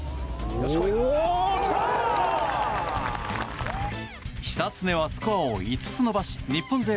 久常は、スコアを５つ伸ばし日本勢